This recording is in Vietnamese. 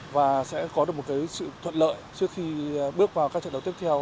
và sẽ có được một sự thuận lợi trước khi bước vào các trận đấu tiếp theo